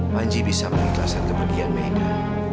panji bisa mengiklasan kepergian meda